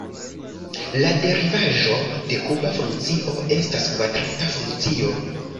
La derivaĵo de kuba funkcio estas kvadrata funkcio.